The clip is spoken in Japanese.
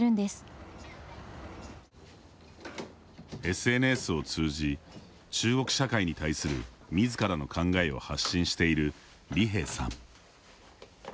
ＳＮＳを通じ中国社会に対するみずからの考えを発信している李萍さん。